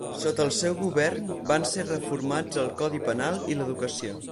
Sota el seu govern van ser reformats el codi penal i l'educació.